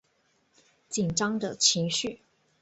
紧张的情绪